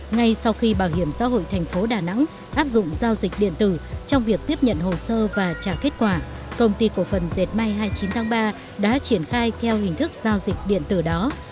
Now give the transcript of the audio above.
ngay sau khi bảo hiểm xã hội thành phố đà nẵng áp dụng giao dịch điện tử trong việc tiếp nhận hồ sơ và trả kết quả công ty cổ phần dệt may hai mươi chín tháng ba đã triển khai theo hình thức giao dịch điện tử đó